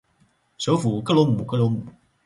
首府戈罗姆戈罗姆。